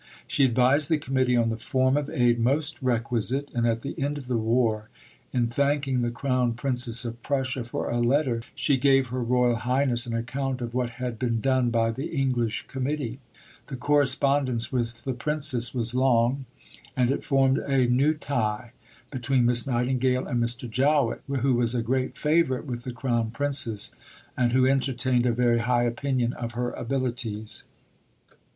She advised the Committee on the form of aid most requisite, and at the end of the war, in thanking the Crown Princess of Prussia for a letter, she gave Her Royal Highness an account of what had been done by the English Committee. The correspondence with the Princess was long, and it formed a new tie between Miss Nightingale and Mr. Jowett, who was a great favourite with the Crown Princess and who entertained a very high opinion of her abilities.